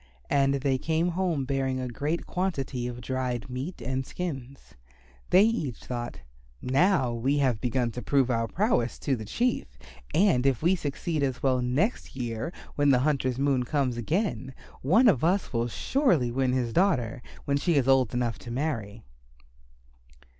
And they came home bearing a great quantity of dried meat and skins. They each thought, "Now we have begun to prove our prowess to the Chief, and if we succeed as well next year when the hunter's moon comes again, one of us will surely win his daughter when she is old enough to marry."